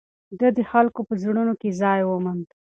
ده د خلکو په زړونو کې ځای وموند.